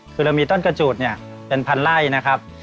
คือเรามีต้นกระจูดเนี่ยเป็นพันไล่นะครับ